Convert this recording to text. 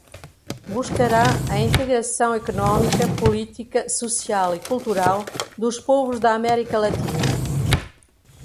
buscará a integração econômica, política, social e cultural dos povos da América Latina